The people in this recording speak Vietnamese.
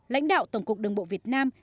lãnh đạo tổng cục đường bộ việt nam